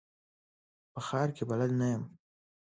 په ښار کي بلد نه یم .